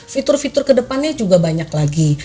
fitur fitur kedepannya juga banyak lagi